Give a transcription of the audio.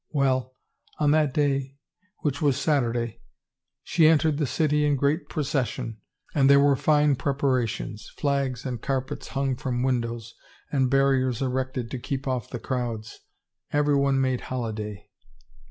... Well, on that day, which was Saturday, she entered the city in great procession and there were fine preparations, flags and carpets hung from windows and barriers erected to keep off the crowds — everyone made holiday."